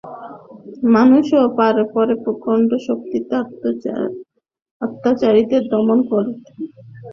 মানুষও পারে প্রচণ্ড শক্তিতে অত্যাচারীকে দমন করতে, তাকে সমুচিত শাস্তি দিতে।